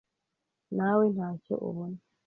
nawe ntacyo ubona,